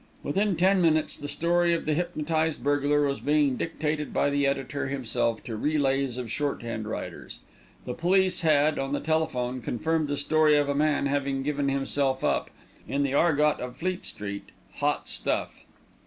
Within ten minutes the story of the hypnotised burglar was being dictated by the editor himself to relays of shorthand writers. The police had, on the telephone, confirmed the story of a man having given himself up, and the whole adventure was, in the argot of Fleet Street, "hot stuff."